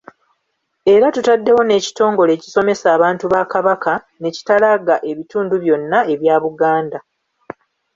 Era tutaddewo n’ekitongole ekisomesa abantu ba Kabaka ne kitalaaga ebitundu byonna ebya Buganda.